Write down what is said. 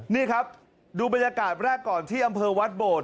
นี่ครับดูบรรยากาศแรกก่อนที่อำเภอวัดโบด